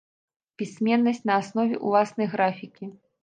Пісьменнасць на аснове ўласнай графікі.